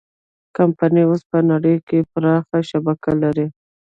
کمپنۍ اوس په نړۍ کې پراخه شبکه لري.